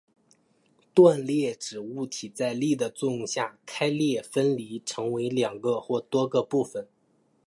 断裂指物体在力的作用下开裂分离成两个或多个部分。